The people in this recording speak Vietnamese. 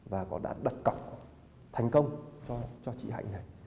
và có đặt đặt cọng thành công cho chị hạnh này